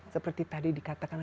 seperti tadi dikatakan